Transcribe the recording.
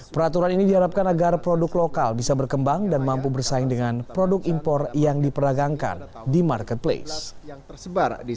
peraturan ini diharapkan agar produk lokal bisa berkembang dan mampu bersaing dengan produk impor yang diperdagangkan di marketplace